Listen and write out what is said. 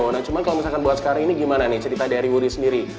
nah cuma kalau misalkan buat sekarang ini gimana nih cerita dari wuri sendiri